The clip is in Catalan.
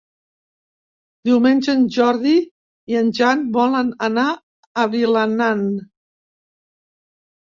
Diumenge en Jordi i en Jan volen anar a Vilanant.